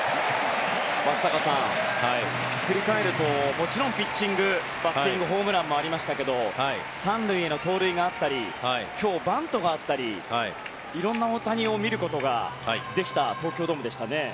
松坂さん、振り返ると、もちろんピッチング、バッティングホームランもありましたが３塁への盗塁があったり今日バントがあったりいろんな大谷を見ることができた東京ドームでしたね。